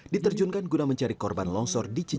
diterjunkan guna mencari korban longsor di cikarang